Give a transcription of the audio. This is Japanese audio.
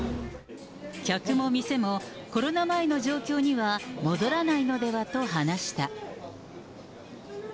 客も店もコロナ前の状況には戻らないのではと話した。